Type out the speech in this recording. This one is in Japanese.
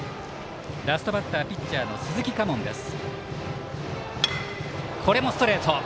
ラストバッターピッチャーの鈴木佳門です。